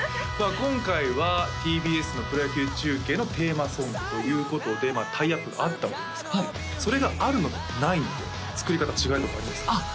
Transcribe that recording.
今回はＴＢＳのプロ野球中継のテーマソングということでタイアップがあったわけですがそれがあるのとないので作り方違うとかありますか？